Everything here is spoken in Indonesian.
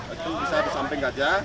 itu bisa di samping gajah